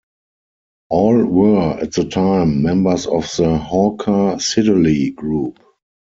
All were, at the time, members of the Hawker Siddeley Group.